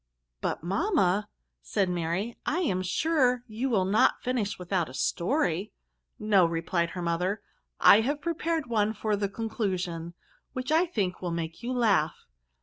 " But, mamma," said Mary, I am sure you will not finish without a story." *' No," replied her mother, " I have pre pared one for the conclusion, which I think will make you laugh."